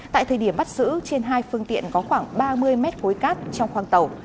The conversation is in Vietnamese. tại thời điểm bắt giữ trên hai phương tiện có khoảng ba mươi mét khối cát trong khoang tàu